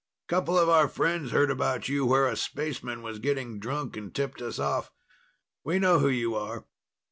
Couple of our friends heard about you where a spaceman was getting drunk and tipped us off. We know who you are.